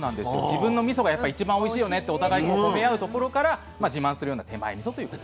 自分のみそが一番おいしいよねってお互いに褒め合うところから自慢するような「手前みそ」という言葉が。